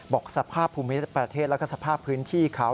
บอกสภาพภูมิประเทศและสภาพพื้นที่เขา